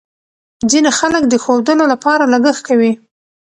ځینې خلک د ښودلو لپاره لګښت کوي.